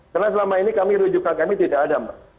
karena selama ini rujukan kami tidak ada pak